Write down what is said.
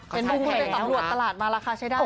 เป็นพูดไปต่อหลวดตลาดมาราคาใช้ได้